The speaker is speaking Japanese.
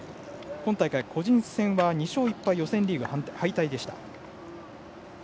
今大会個人戦は２勝１敗と予選リーグ敗退でした。